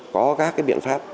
có các cái biện pháp